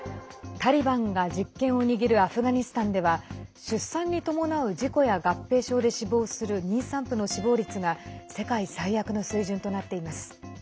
タリバンが実権を握るアフガニスタンでは出産に伴う事故や合併症で死亡する妊産婦の死亡率が世界最悪の水準となっています。